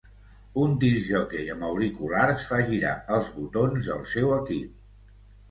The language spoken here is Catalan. Un discjòquei amb auriculars fa girar els botons del seu equip.